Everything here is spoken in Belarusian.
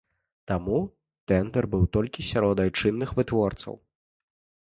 Таму тэндэр быў толькі сярод айчынных вытворцаў.